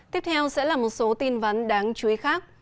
tiếp theo sẽ là một số tin ván đáng chú ý khác